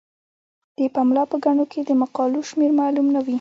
د پملا په ګڼو کې د مقالو شمیر معلوم نه وي.